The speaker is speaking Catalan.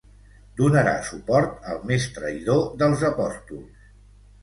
Donarà suport al més traïdor dels Apòstols.